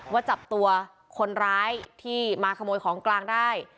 ว่าจับตัวคนร้ายที่มาขโมยของกลางได้